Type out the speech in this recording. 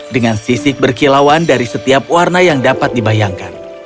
dengan sisik berkilauan dari setiap warna yang dapat dibayangkan